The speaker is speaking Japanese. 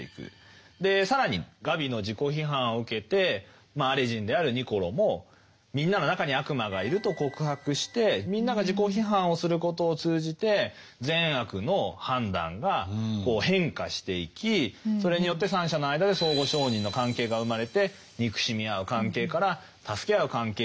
更にガビの自己批判を受けてマーレ人であるニコロもみんなの中に悪魔がいると告白してみんなが自己批判をすることを通じて善悪の判断が変化していきそれによって三者の間で相互承認の関係が生まれて憎しみ合う関係から助け合う関係へと変化していく。